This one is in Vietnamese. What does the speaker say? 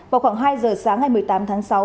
vào khoảng hai giờ sáng ngày một mươi tám tháng sáu